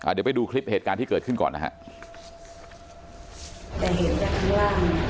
เดี๋ยวไปดูคลิปเหตุการณ์ที่เกิดขึ้นก่อนนะฮะ